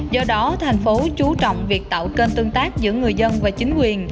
do đó thành phố chú trọng việc tạo kênh tương tác giữa người dân và chính quyền